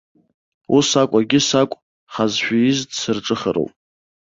Ус акә, егьыс акә, ҳазшәииз дсырҿыхароуп.